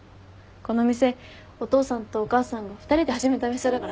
この店お父さんとお母さんが２人で始めた店だからさ。